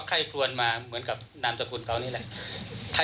การนำมันกันกับประเทศ